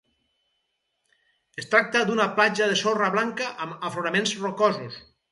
Es tracta d'una platja de sorra blanca amb afloraments rocosos.